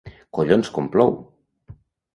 Collons com plou!